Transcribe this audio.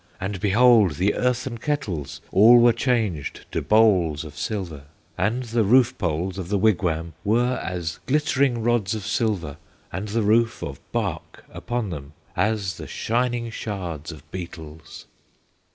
And behold! the earthen kettles All were changed to bowls of silver! And the roof poles of the wigwam Were as glittering rods of silver, And the roof of bark upon them As the shining shards of beetles.